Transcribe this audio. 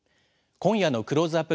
今夜のクローズアップ